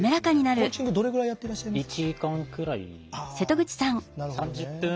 コンチングどれぐらいやってらっしゃいますか？